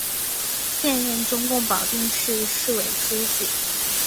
现任中共保定市委书记。